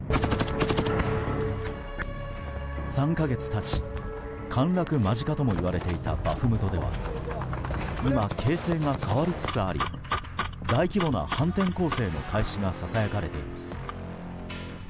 ３か月経ち陥落間近ともいわれていたバフムトでは今、形成が変わりつつあり大規模な反転攻勢の開始がささやかれています。